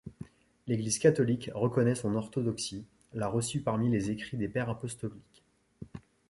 L'Église catholique, reconnaissant son orthodoxie, l'a reçue parmi les écrits des Pères apostoliques.